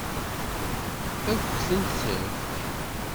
Ad kent-t-tefk?